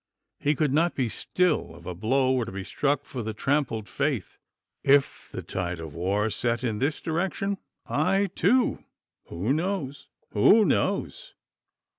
He could not be still if a blow were to be struck for the trampled faith. If the tide of war set in this direction, I too who knows? who knows?